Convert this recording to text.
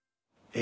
え？